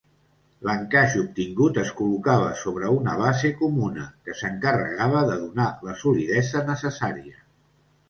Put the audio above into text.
L'encaix obtingut es col·locava sobre una base comuna, que s'encarregava de donar la solidesa necessària.